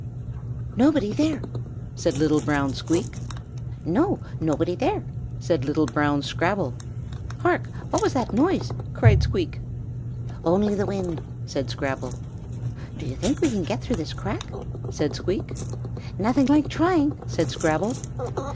"Nobody there!" said little brown Squeak. "No, nobody there!" said little brown Scrabble. "Hark! what was that noise?" cried Squeak. "Only the wind!" said Scrabble. "Do you think we can get through the crack?" said Squeak. "Nothing like trying!" said Scrabble.